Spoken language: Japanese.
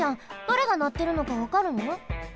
どれがなってるのかわかるの？